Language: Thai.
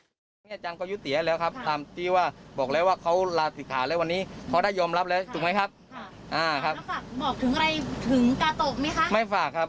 เพราะเราตั้งเพื่อปกป้องพระธศนาแค่ภาดในภาคเดียวศึกแล้วทั้งก็ต้องยุดศรีให้เขากับ